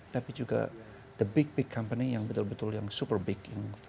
tapi juga the big big company yang betul betul yang super big